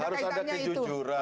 harus ada kejujuran